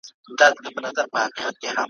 د اورنګ خنجر يې پڅ کی ,